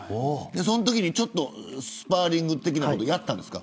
そのときに、ちょっとスパーリング的なことをやったんですか。